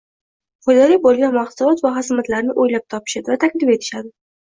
foydali bo‘lgan mahsulot va xizmatlarni o‘ylab topishadi va taklif etishadi.